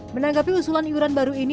menanggapi usulan iuran baru ini